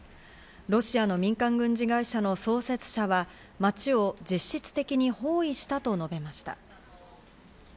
ロシアの民間軍事会社の創設者は、街を実質的に包囲したと述べました。